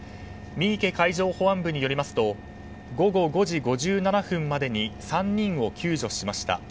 海上保安部によりますと午後５時５７分までに３人を救助しました。